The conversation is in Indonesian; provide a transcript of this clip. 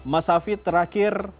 mas hafid terakhir